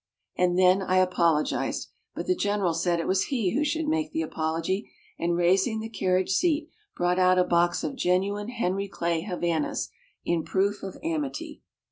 And then I apologized, but the General said it was he who should make the apology, and raising the carriage seat brought out a box of genuine Henry Clay Havanas, in proof of amity.